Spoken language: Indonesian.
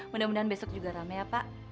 mudah mudahan besok juga rame ya pak